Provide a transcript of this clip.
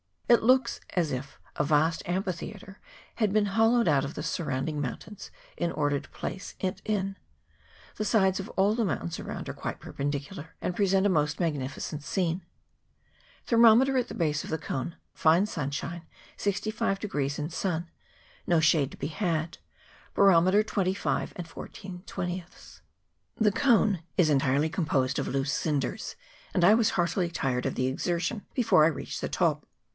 It looks as if a vast amphitheatre had been hollowed out of the sur rounding mountains in order to place it in. The sides of all the mountains around are quite perpen dicular, and present a most magnificent scene. Thermometer at the base of the cone, fine sunshine, 65 in sun ; no shade to be had : barometer 25i4. " The cone is entirely composed of loose cinders, and I was heartily tired of the exertion before I reached the top.